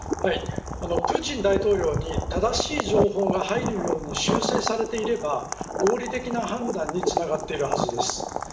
プーチン大統領に正しい情報が入るように修正されていれば合理的な判断につながっているはずです。